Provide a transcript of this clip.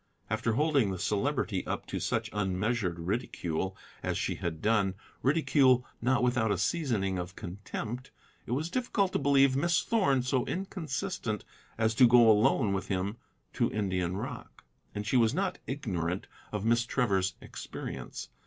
After holding the Celebrity up to such unmeasured ridicule as she had done, ridicule not without a seasoning of contempt, it was difficult to believe Miss Thorn so inconsistent as to go alone with him to Indian rock; and she was not ignorant of Miss Trevor's experience.